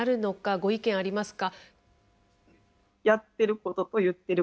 ご意見ありますか？